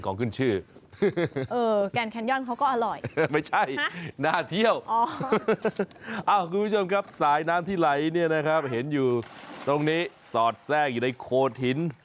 ฆ่าคุณผู้ชมครับสายน้ำที่ไหลเห็นอย่างตรงนี้สอดแสกอยู่ในโโฆทิน